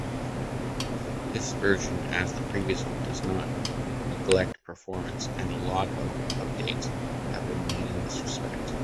This version, as the previous ones, does not neglect performance, and a lot of updates have been made in this respect.